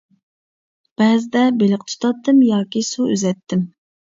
بەزىدە بېلىق تۇتاتتىم ياكى سۇ ئۈزەتتىم.